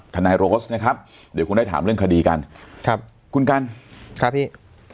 ทนายโรสนะครับเดี๋ยวคงได้ถามเรื่องคดีกันครับคุณกันครับพี่